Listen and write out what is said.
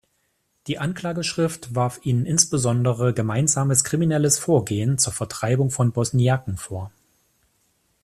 Die Anklageschrift warf ihnen insbesondere „gemeinsames kriminelles Vorgehen“ zur Vertreibung von Bosniaken vor.